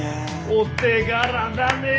お手柄だね。